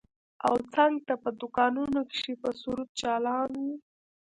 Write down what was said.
او څنگ ته په دوکانونو کښې به سروذ چالان و.